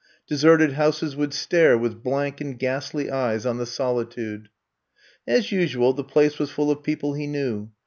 De serted houses would stare with blank and ghastly eyes on the solitude. As usual the place was full of people he knew.